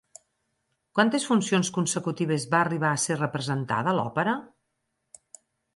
Quantes funcions consecutives va arribar a ser representada l'òpera?